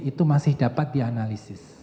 itu masih dapat dianalisis